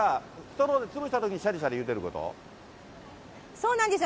そうなんですよ。